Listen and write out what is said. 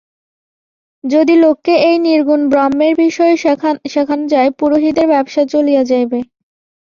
যদি লোককে এই নির্গুণ ব্রহ্মের বিষয় শেখান যায়, পুরোহিতদের ব্যবসা চলিয়া যাইবে।